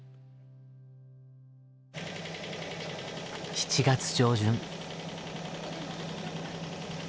７月上旬。